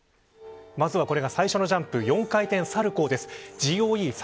まずはこれが最初のジャンプ４回転サルコウです。